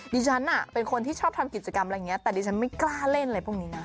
ดิฉันเป็นคนที่ชอบทำกิจกรรมอะไรอย่างนี้แต่ดิฉันไม่กล้าเล่นอะไรพวกนี้นะ